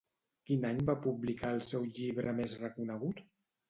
Quin any va publicar el seu llibre més reconegut?